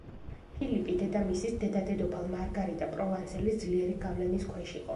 ფილიპი დედამისის, დედა-დედოფალ მარგარიტა პროვანსელის ძლიერი გავლენის ქვეშ იყო.